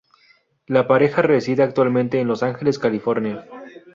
La pareja reside actualmente en Los Ángeles, California.